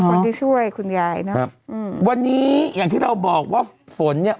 คนที่ช่วยคุณยายนะครับอืมวันนี้อย่างที่เราบอกว่าฝนเนี้ย